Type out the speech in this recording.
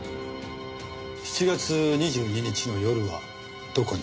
７月２２日の夜はどこに？